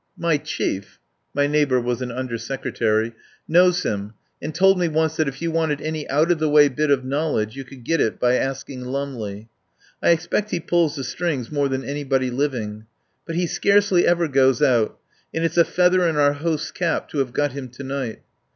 My Chief" — my neigh bour was an Under Secretary — "knows him, and told me once that if you wanted any out of the way bit of knowledge you could get it by asking Lumley. I expect he pulls the strings more than anybody living. But he scarcely ever goes out, and it's a feather in our host's cap to have got him to night.